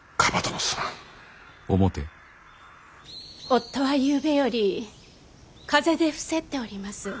夫はゆうべより風邪で伏せっております。